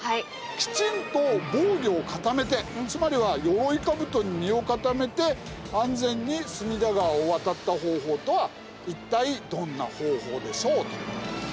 きちんと防御を固めてつまりは鎧兜に身を固めて安全に隅田川を渡った方法とは一体どんな方法でしょう？